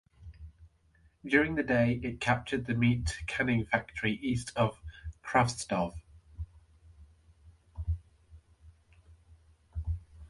During the day it captured the meat canning factory east of Kravtsov.